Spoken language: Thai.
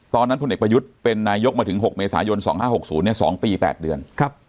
ตอนนั้นพลเอกประยุทธ์เป็นนายกมาถึง๖เมษายน๒๕๖๐เนี่ย๒ปี๘เดือน